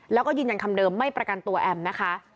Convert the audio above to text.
แล้วก็ยืนยันคำเดิมไม่ประกันตัวแอมนะคะ